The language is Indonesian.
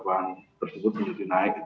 bahan tersebut menjadi naik